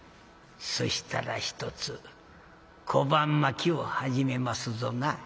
そしたらひとつ小判まきを始めますぞな。